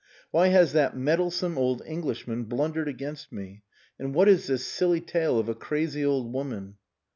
"Why has that meddlesome old Englishman blundered against me? And what is this silly tale of a crazy old woman?"